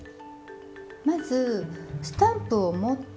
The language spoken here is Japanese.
まずスタンプを持って。